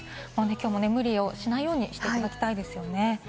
きょうも無理をしないようにしておきたいですね。